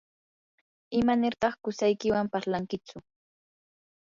¿imanirtaq qusaykiwan parlankichu?